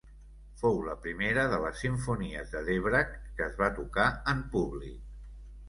Fou la primera de les simfonies de Dvořák que es va tocar en públic.